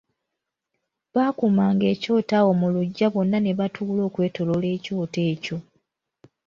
Baakumanga ekyoto awo mu luggya bonna ne batuula okwetoloola ekyoto ekyo.